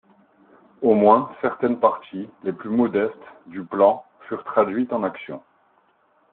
Au moins, certaines parties, les plus modestes, du plan, furent traduites en action.